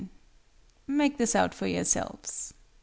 Make this out for yourselves.)